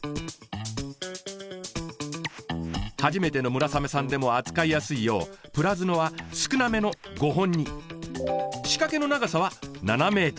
初めての村雨さんでも扱いやすいようプラヅノは少なめの５本に。